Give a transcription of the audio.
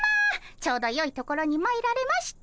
ちょうどよいところにまいられました。